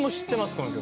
この曲。